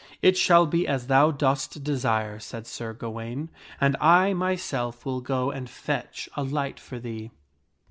" It shall be as thou dost desire," said Sir Gawaine, "and I, myself, will go and fetch a light for thee."